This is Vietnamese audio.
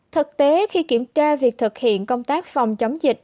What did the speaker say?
thực tế khi kiểm tra việc thực hiện công tác phòng chống dịch